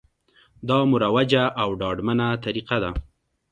دا مروجه او ډاډمنه طریقه ده